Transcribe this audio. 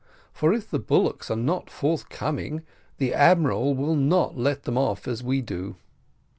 for if the bullocks are not forthcoming, the admiral will not let them off as we do."